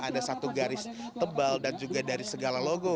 ada satu garis tebal dan juga dari segala logo